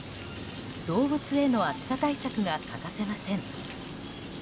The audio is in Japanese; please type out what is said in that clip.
動物への暑さ対策が欠かせません。